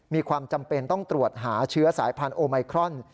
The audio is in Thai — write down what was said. มีความจำเป็นต้องตรวจหาเชื้อสายพันธุไมครอน